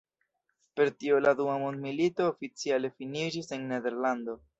Per tio la dua mondmilito oficiale finiĝis en Nederlando.